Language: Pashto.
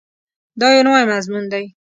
دا یو نوی مضمون دی.